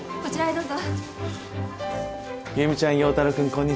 どうぞ。